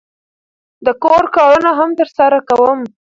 د کور کارونه هم ترسره کوم.